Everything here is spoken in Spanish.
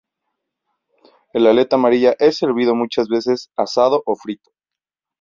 El aleta amarilla es servido muchas veces asado o frito.